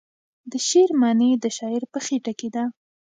د شعر معنی د شاعر په خیټه کې ده .